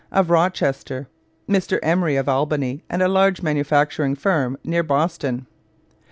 of Rochester, Mr Emery of Albany, and a large manufacturing firm near Boston.